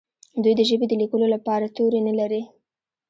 دوی د ژبې د لیکلو لپاره توري نه لري.